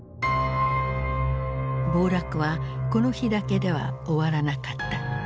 暴落はこの日だけでは終わらなかった。